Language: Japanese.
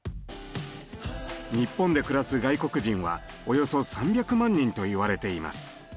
日本で暮らす外国人はおよそ３００万人と言われています。